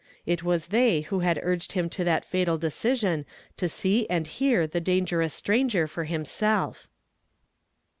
It was they who had urged him to that fatal decision to see and hear the dangerous stranger for himself